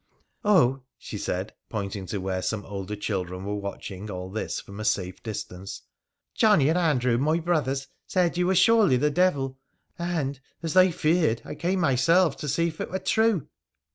' Oh 1 ' she said, pointing to where some older children were watching all this from a safe distance, ' Johnnie and Andrew, my brothers, said you were surely the devil, and, aa they feared, I came myself to see if it were true.'